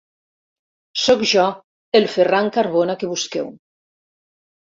Sóc jo, el Ferran Carbona que busqueu!